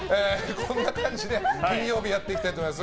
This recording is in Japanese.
こんな感じで金曜日やっていきたいと思います。